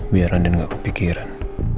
biar rande gak kepikiran